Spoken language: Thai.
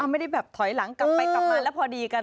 ไม่ได้แบบถอยหลังกลับไปกลับมาแล้วพอดีกัน